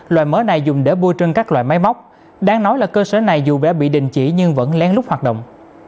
loài mỡ này dùng để bôi trưng các loài máy móc đáng nói là cơ sở này dù đã bị đình chỉ nhưng vẫn lén lút hoạt động